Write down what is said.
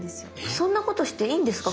そんなことしていいんですか？